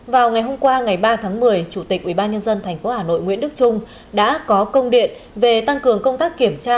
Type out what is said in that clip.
vào ngày hôm qua ngày ba tháng một mươi chủ tịch ubnd tp hà nội nguyễn đức trung đã có công điện về tăng cường công tác kiểm tra